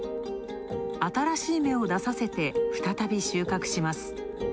新しい芽を出させて、再び収穫します。